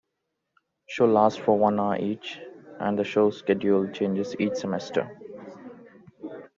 Shows last for one hour each, and the show schedule changes each semester.